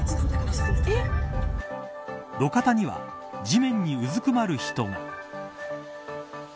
路肩には地面にうずくまる人が。